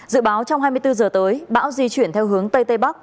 dự báo trong hai mươi bốn giờ tới bão di chuyển theo hướng tây tây bắc